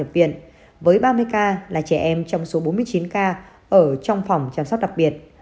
bệnh viện với ba mươi ca là trẻ em trong số bốn mươi chín ca ở trong phòng chăm sóc đặc biệt